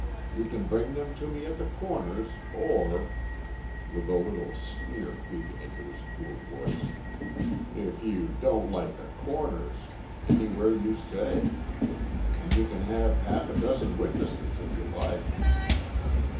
You can bring them to me at the Corners, or," with a little sneer creeping into his cool voice, "if you don't like the Corners, anywhere you say. And you can have half a dozen witnesses if you like."